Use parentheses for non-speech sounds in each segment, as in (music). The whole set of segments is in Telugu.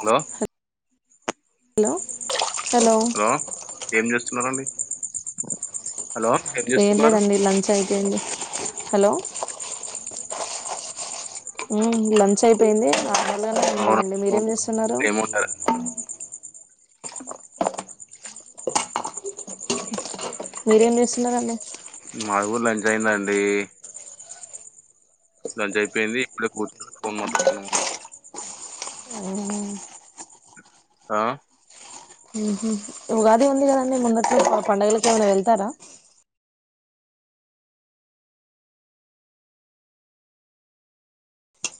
హలో హలో హలో ఏం చేస్తున్నారండి హలో ఏం చేస్తున్నారు లేదండి లంచ్ అయిపోయింది హలో మ్మ్ లంచ్ అయిపోయింది అవునా ఉన్నామండి మీరేం అవునా చేస్తున్నారు ఏముంటారు మీరేం చేస్తున్నారండి మాది గూడా లంచ్ అయిందండి ంచి అయిపోయింది ఇక్కడే కూర్చొని ఫోన్ మాట్లాడుతున్నామండి ఆ ఉగాది ఉంది కదండి ముందచ్చ పండుగలకు ఏమైనా వెళ్తారా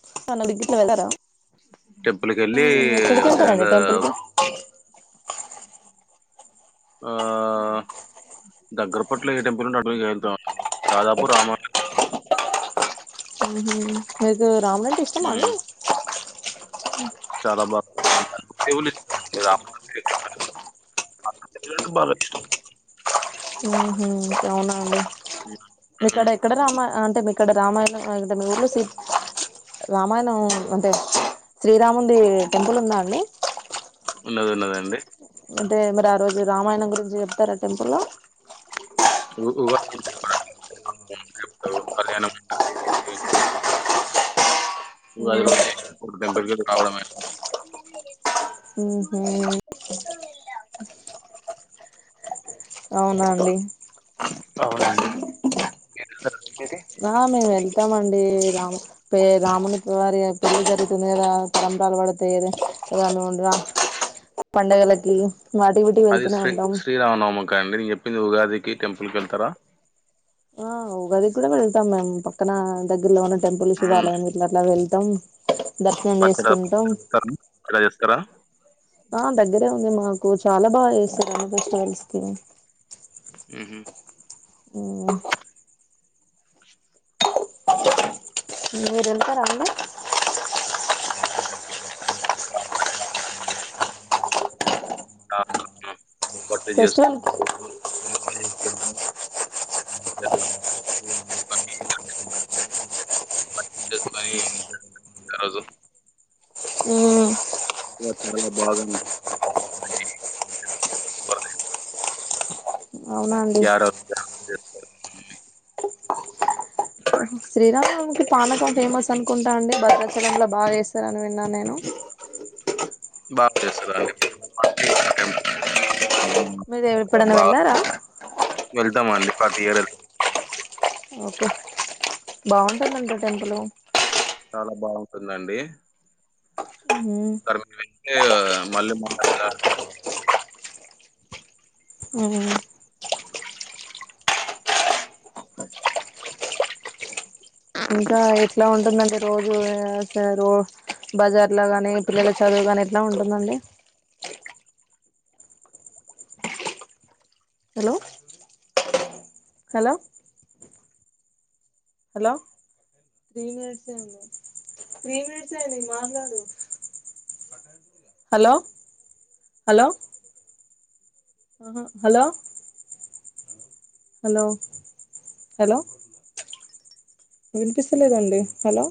(unintelligible) వెళ్తారా టెంపుల్ కి వెళ్ళి ఎక్కడికి వచ్చినాక వెళ్తారండి టెంపుల్ కి ఆ దగ్గర పట్ల టెంపుల్ ఉంటే అటువకి వెళ్తాం దాదాపు రామాలయ ఉహు మీకు రాముడంటే ఇష్టమాండి ఉమ్ చాలా బాగుందంట దేవుని (unintelligible) ఆ పిల్లలకు బాగా ఇష్టం ఊహు అవునా అండి మీ ఉమ్ కాడ ఎక్కడ రామ్మా అ మీక్కడ రామయణం ఆ గింటా మీ ఊల్లో సీ రామాయణం అంటే శ్రీరామునిది టెంపుల్ ఉందా అండి ఉన్నది ఉన్నదండి అంటే మరి ఆ రోజు రామాయణం గురించి చెప్తారా టెంపుల్ లో ఉకూక (unintelligible) ఓ ఐదు రోజులు (unintelligible) రావడమే ఊహు కొన్ని నీళ్లు తాగుత నేను అవునా అండీ అవునండి మీది అహ మీర్ రండి ఇత్తాం అండి రామ పే రాముని భార్య పెళ్లి జరుగుతుంది కదా తలంబ్రాలు పడితయి కదా ఇగ నువ్ ఉండుగా పండగలకి వాటికి వీటికి వెళ్తూనే ఉంటాం ఇగ అందరికి చెప్పింది ఉగాదికి టెంపుల్కి వెళ్తారా ఆ ఉగాది కూడా వెళ్తాం మేము పక్కన దగ్గరలో ఉన్న టెంపుల్ మ్మ్. శివాలయం ఇట్లా అట్లా వెళ్తాం దర్శనం పచ్చడి చేసుకుంటాం ఇలా చేస్తారా ఆ దగ్గరే ఉంది మాకు చాలా బాగా చేస్తరు అన్ని ఫెస్టివల్స్ కి ఊహు ఊ మీరెల్తరాండి కాకుంటే ఫెస్టివల్ (unintelligible) కదు ఊ అ చాలా బాగానే (unintelligible) ఉన్న అండీ శ్రీరాముకి పానకం ఫేమస్ అనుకుంటా అండి భద్రాచచలంల బాగా చేస్తారని విన్నాను నేను బా చేస్తారండీ (unintelligible) ఊ మీరు అబ్బ ఎప్పుడైనా వెళ్ళారా వెళ్తామండి ప్రతి ఇయర్ వెళ్తాం ఓకే బాగుంటుందంట టెంపులు చాల బాగుంటుందండి (unintelligible) మళ్ళీ మళ ఉమ్ ఇంకా ఎట్లా ఉంటుందండి రోజు ఆ స రో బజార్ ల గాని పిల్లల చదువు గాని ఎట్లా ఉంటుందండి hello hello hello three minutes ఏ వుంది త్రీ మినిట్స్ ఏ వుంది మాట్లాడు హలో హలో ఆహా హలో హలో హలో వినిపిస్తలేదండి హలో